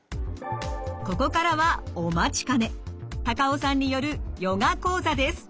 ここからはお待ちかね高尾さんによるヨガ講座です。